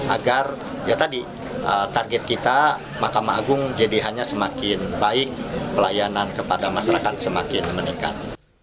agar ya tadi target kita mahkamah agung jadi hanya semakin baik pelayanan kepada masyarakat semakin meningkat